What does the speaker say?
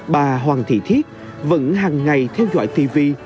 bà hoàng thị thiết vẫn hàng ngày theo dõi tv